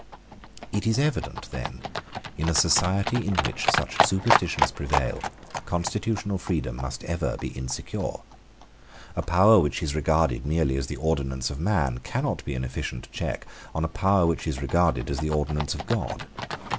It is evident that, in a society in which such superstitions prevail, constitutional freedom must ever be insecure. A power which is regarded merely as the ordinance of man cannot be an efficient check on a power which is regarded as the ordinance of God.